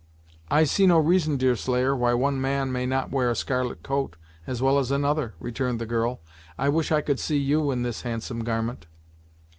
"I see no reason, Deerslayer, why one man may not wear a scarlet coat, as well as another," returned the girl. "I wish I could see you in this handsome garment."